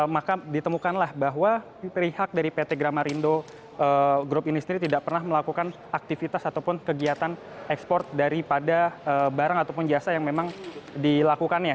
maka ditemukanlah bahwa pihak dari pt gramarindo group ini sendiri tidak pernah melakukan aktivitas ataupun kegiatan ekspor daripada barang ataupun jasa yang memang dilakukannya